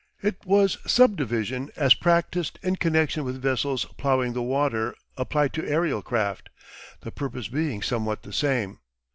It was sub division as practised in connection with vessels ploughing the water applied to aerial craft, the purpose being somewhat the same.